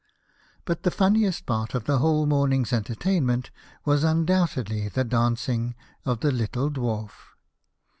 But the funniest part of the whole morn ing's entertainment, was undoubtedly the dancing of the little Dwarf.